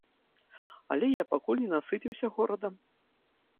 Але я пакуль не насыціўся горадам.